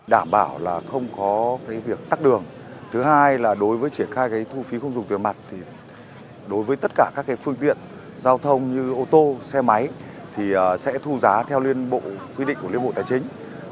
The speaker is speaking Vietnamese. đảm bảo là không có cái việc tắt đường thứ hai là đối với triển khai cái thu phí không dùng tiền mặt thì đối với tất cả các cái phương tiện giao thông như ô tô xe máy thì sẽ thu giá theo tài khoản